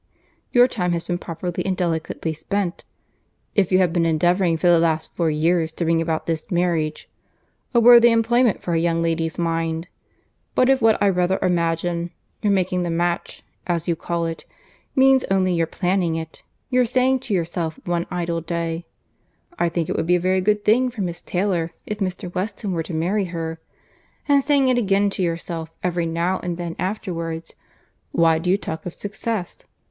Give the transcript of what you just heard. Your time has been properly and delicately spent, if you have been endeavouring for the last four years to bring about this marriage. A worthy employment for a young lady's mind! But if, which I rather imagine, your making the match, as you call it, means only your planning it, your saying to yourself one idle day, 'I think it would be a very good thing for Miss Taylor if Mr. Weston were to marry her,' and saying it again to yourself every now and then afterwards, why do you talk of success?